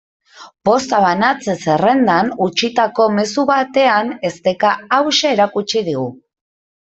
Posta banatze-zerrendan utzitako mezu batean esteka hauxe erakutsi digu.